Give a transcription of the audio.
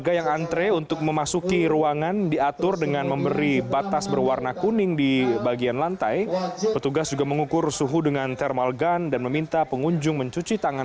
sampai jumpa di video selanjutnya